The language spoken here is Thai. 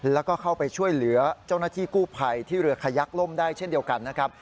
แล้วก็เข้าไปช่วยเหลือเจ้าหน้าที่กู้ภัยที่เรือขยักล่มได้เช่นเดียวกันนะครับ